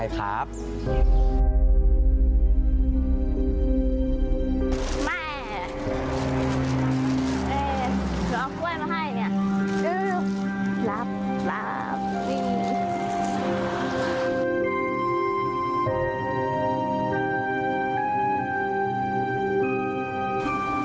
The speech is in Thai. เอ้ยเผื่อเอาก้วยมาให้นี่